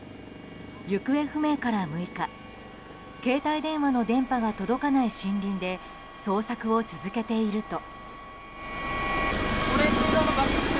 行方不明から６日携帯電話の電波が届かない森林で捜索を続けていると。